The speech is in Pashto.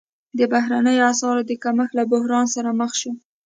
د بهرنیو اسعارو د کمښت له بحران سره مخ شو.